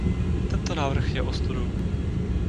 Tento návrh je ostudou.